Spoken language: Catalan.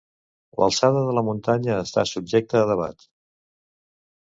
L'alçada de la muntanya està subjecta a debat.